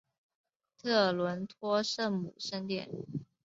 特伦托圣母圣殿。